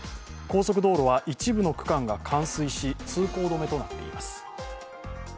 高速道路は一部の区間が冠水し通行止めとなっています。